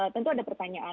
tentu ada pertanyaan